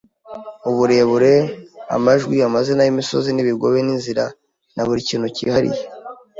uburebure, amajwi, amazina y'imisozi n'ibigobe n'inzira, na buri kintu cyihariye